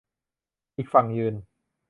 อีกฝั่งยืน